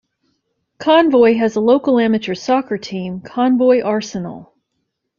Convoy has a local amateur soccer team, Convoy Arsenal.